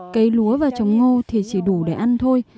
cây lúa và trồng ngô thì chỉ đủ để ăn thôi